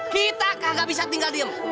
kita gak bisa tinggal diem